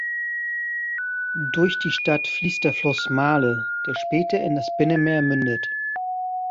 Durch die Stadt fließt der Fluss Marle, der später in das Binnenmeer mündet.